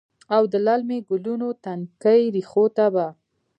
او د للمې ګلونو، تنکۍ ریښو ته به،